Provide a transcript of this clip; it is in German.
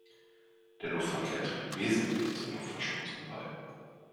Der Luftverkehr trägt wesentlich zur Luftverschmutzung bei.